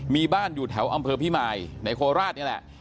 มีบ้านอยู่แถวอำเภอพิมายในโคราชนี่แหละ